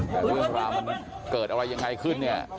แต่เรื่องราวมันเกิดอะไรยังไงขึ้นเนี่ย